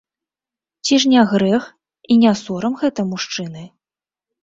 Цi ж не грэх i не сорам гэта, мужчыны?